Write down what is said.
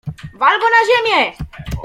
"Wal go na ziemię!"